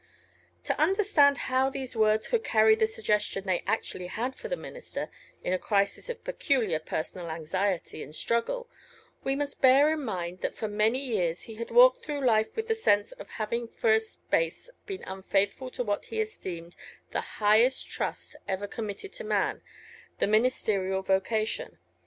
To understand how these words could carry the suggestion they actually had for the minister in a crisis of peculiar personal anxiety and struggle, we must bear in mind that for many years he had walked through life with the sense of having for a space been unfaithful to what he esteemed the highest trust ever committed to man the ministerial vocation.